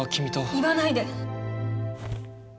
言わないで。